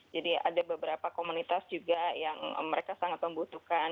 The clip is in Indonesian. jadi ada beberapa komunitas juga yang mereka sangat membutuhkan